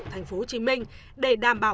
tp hcm để đảm bảo